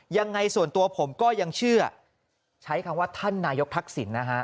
ยังไงส่วนตัวผมก็ยังเชื่อใช้คำว่าท่านนายกทักษิณนะฮะ